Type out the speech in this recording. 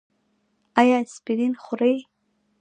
ایا اسپرین خورئ؟